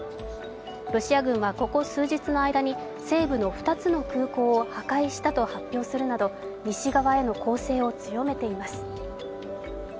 ロシア軍はここ数日の間に、西部の２つの空港を破壊したと発表するなど西側への攻勢を強めています。